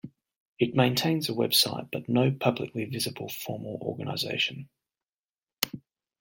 It maintains a website but no publicly visible formal organisation.